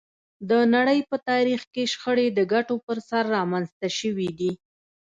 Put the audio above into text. د نړۍ په تاریخ کې شخړې د ګټو پر سر رامنځته شوې دي